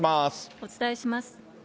お伝えします。